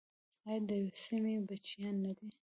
آیا د یوې سیمې بچیان نه دي؟